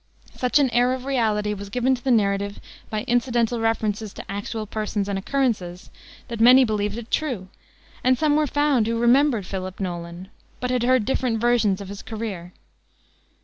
Such an air of reality, was given to the narrative by incidental references to actual persons and occurrences that many believed it true, and some were found who remembered Philip Nolan, but had heard different versions of his career.